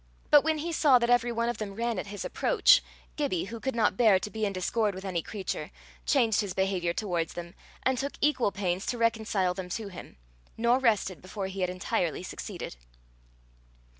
But when he saw that every one of them ran at his approach, Gibbie, who could not bear to be in discord with any creature, changed his behaviour towards them, and took equal pains to reconcile them to him nor rested before he had entirely succeeded.